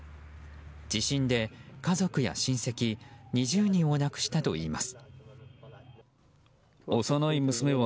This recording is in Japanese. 地震で家族や親戚２０人を亡くしたといいます。